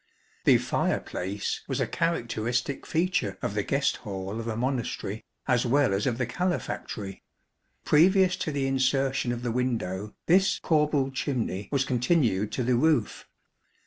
The fireplace was a characteristic feature of the guest hall of a Monastery, as well as of the calefactory. Previous to the insertion of the window, this corbelled chimney was continued to the roof.